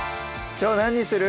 きょう何にする？